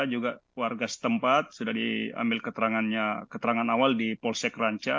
juga warga setempat sudah diambil keterangan awal di polsek ranca